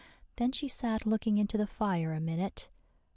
Then she sat looking into the fire a minute.